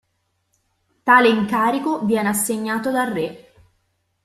Tale incarico viene assegnato dal re.